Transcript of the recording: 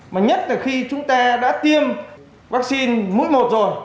mà nhất là khi chúng ta đã tiêm vaccine mũi một rồi